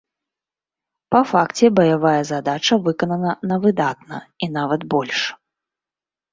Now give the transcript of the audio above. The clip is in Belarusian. Па факце баявая задача выканана на выдатна і нават больш.